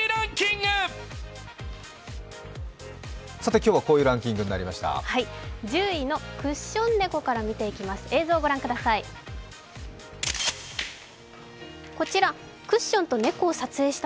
今日はこういうランキングになりました。